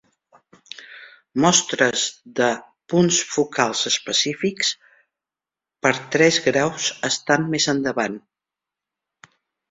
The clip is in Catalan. Mostres de punts focals específics per tres graus estan més endavant.